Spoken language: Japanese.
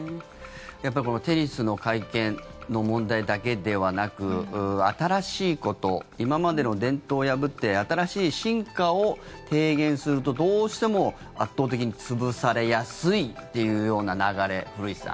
テニスの会見の問題だけではなく新しいこと今までの伝統を破って新しい真価を提言するとどうしても圧倒的に潰されやすいというような流れ古市さん